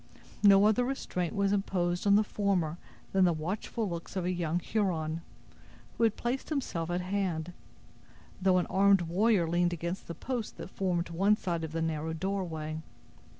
No other restraint was imposed on the former than the watchful looks of a young Huron, who had placed himself at hand; though an armed warrior leaned against the post that formed one side of the narrow doorway.